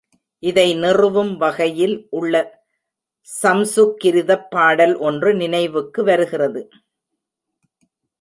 இதை நிறுவும் வகையில் உள்ள சம்சுகிருதப் பாடல் ஒன்று நினைவுக்கு வருகிறது.